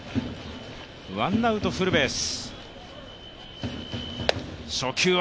ワンアウト、フルベース。